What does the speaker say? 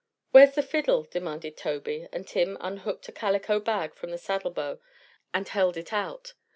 "Where's the fiddle?" demanded Tobey, and Tim unhooked a calico bag from the saddlebow and held it out.